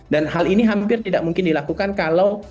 dan hal ini hampir tidak mungkin dilakukan kalau